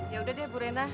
ya udah deh bu rena